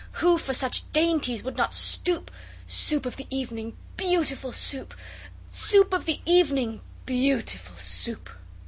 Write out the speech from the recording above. Who for such dainties would not stoop? Soup of the evening, beautiful Soup! Soup of the evening, beautiful Soup!